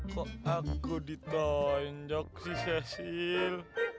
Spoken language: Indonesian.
kok aku ditonjok sih cecil